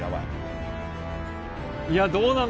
いやどうなんの？